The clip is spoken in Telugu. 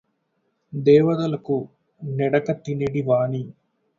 దేవతలకు నిడక తినెడివాని